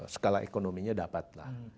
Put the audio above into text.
sekala ekonominya dapatlah